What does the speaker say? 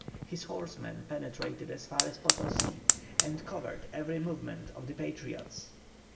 His horsemen penetrated as far as Potosi, and covered every movement of the Patriots.